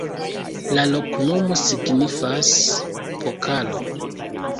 La loknomo signifas: pokalo.